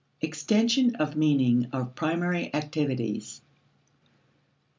Extension of Meaning of Primary Activities.